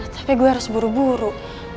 tapi gue harus buru buru